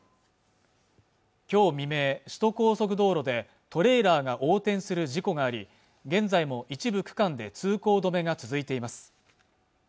今日未明首都高速道路でトレーラーが横転する事故があり現在も一部区間で通行止めが続いています